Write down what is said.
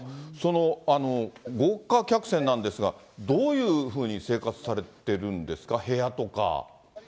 豪華客船なんですが、どういうふうに生活されてるんですか、部屋とか。